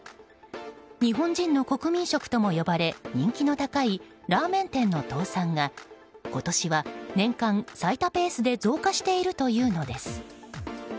日本人の国民食とも呼ばれ人気の高いラーメン店の倒産が今年は年間最多ペースで増加しているというのです。